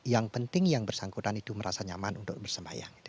yang penting yang bersangkutan itu merasa nyaman untuk bersembahyang